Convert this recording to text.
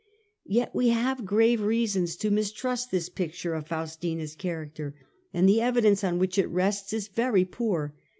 Yet we have grave reasons to mistrust this picture of Faustina's character, and the evidence on which it rests is very poor.